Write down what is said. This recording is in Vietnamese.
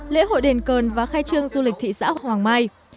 lễ hội đền cờ và khai trương du lịch thị xã hoàng mai